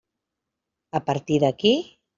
A partir d'aquí?